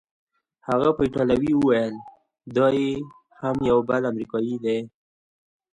هغه په ایټالوي وویل: دا یې هم یو بل امریکايي دی.